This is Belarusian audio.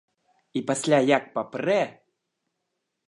І пасля як папрэ!